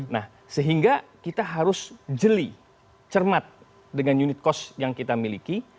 nah sehingga kita harus jeli cermat dengan unit cost yang kita miliki